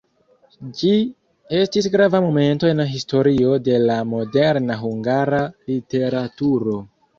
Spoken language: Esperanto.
Ĝi estis grava momento en historio de la moderna hungara literaturo.